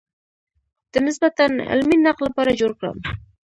د نسبتاً علمي نقد لپاره جوړ کړم.